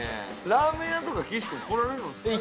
ラーメン屋とか岸君来られるんですか？